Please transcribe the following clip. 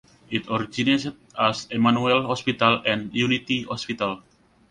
It originated as Emanuel Hospital and Unity Hospital.